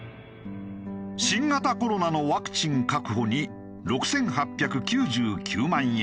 新型コロナのワクチン確保に６８９９万円。